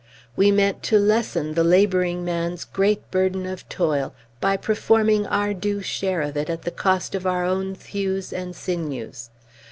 We meant to lessen the laboring man's great burden of toil, by performing our due share of it at the cost of our own thews and sinews.